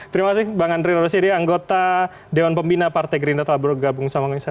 terima kasih bang andre rosiade anggota dewan pembina partai gerintet laboratuh gabung samangnya